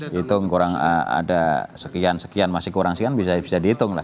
dihitung kurang ada sekian sekian masih kurang sekian bisa dihitung lah